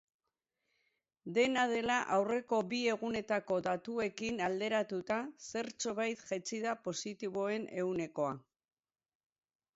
Dena dela, aurreko bi egunetako datuekin alderatuta zertxobait jaitsi da positiboen ehunekoa.